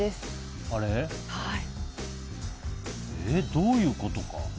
どういうことか？